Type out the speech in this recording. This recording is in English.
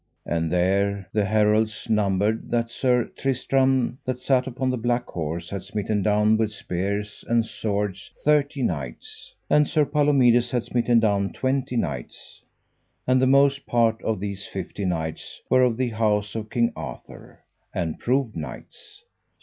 And there the heralds numbered that Sir Tristram that sat upon the black horse had smitten down with spears and swords thirty knights; and Sir Palomides had smitten down twenty knights, and the most part of these fifty knights were of the house of King Arthur, and proved knights.